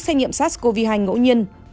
xét nghiệm sars cov hai ngẫu nhiên